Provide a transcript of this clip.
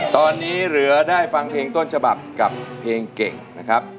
ตอนนี้เหลือได้ฟังเพลงต้นฉบับกับเพลงเก่งนะครับ